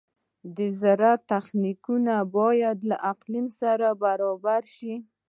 د زراعت تخنیکونه باید له اقلیم سره برابر شي.